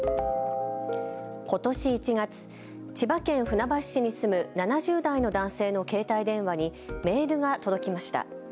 ことし１月、千葉県船橋市に住む７０代の男性の携帯電話にメールが届きました。